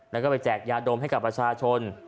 แล้วก็ไปแจกยาดมให้กับประชาชน